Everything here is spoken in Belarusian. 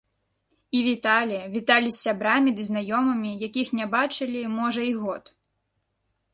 І віталі, віталі з сябрамі ды знаёмымі, якіх не бачылі, можа, і год.